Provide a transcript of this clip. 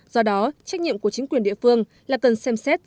do đó trách nhiệm của chính quyền địa phương là cần xem xét